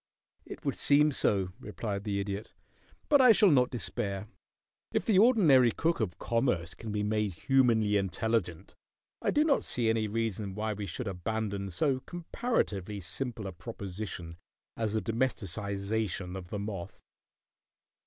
"It would seem so," replied the Idiot. "But I shall not despair. If the ordinary cook of commerce can be made humanly intelligent I do not see any reason why we should abandon so comparatively simple a proposition as the domesticization of the moth."